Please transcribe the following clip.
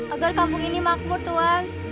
agar kampung ini makmur tuhan